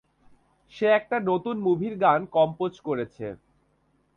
সে একটা নতুন মুভির গান কম্পোজ করেছে।